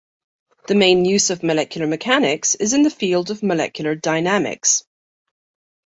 The main use of molecular mechanics is in the field of molecular dynamics.